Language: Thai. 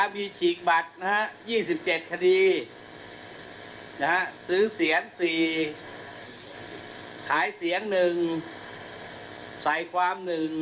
มีฉีกบัตร๒๗คดีซื้อเสียง๔ขายเสียง๑ใส่ความ๑